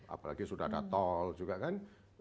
apalagi sudah ada tol juga kan